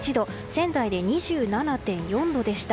仙台で２７．４度でした。